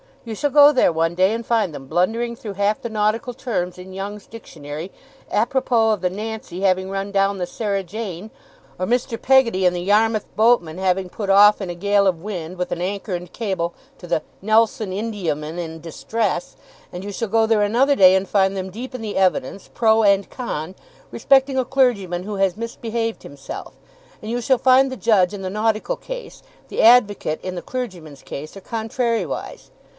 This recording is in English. You shall go there one day, and find them blundering through half the nautical terms in Young's Dictionary, apropos of the "Nancy" having run down the "Sarah Jane", or Mr. Peggotty and the Yarmouth boatmen having put off in a gale of wind with an anchor and cable to the "Nelson" Indiaman in distress; and you shall go there another day, and find them deep in the evidence, pro and con, respecting a clergyman who has misbehaved himself; and you shall find the judge in the nautical case, the advocate in the clergyman's case, or contrariwise.